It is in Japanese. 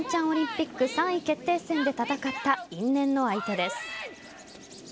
オリンピック３位決定戦で戦った因縁の相手です。